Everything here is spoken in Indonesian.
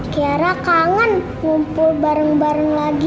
kiara kangen kumpul bareng bareng lagi